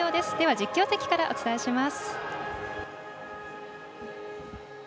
実況席からお伝えします。